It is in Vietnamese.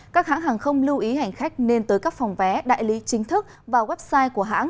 các hãng hàng không lưu ý hành khách nên tới các phòng vé đại lý chính thức và website của hãng